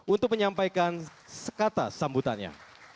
untuk menyampaikan sekata sambutannya